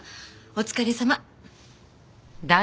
お疲れさま。